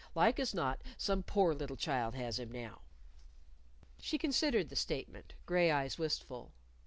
Like as not some poor little child has him now." She considered the statement, gray eyes wistful.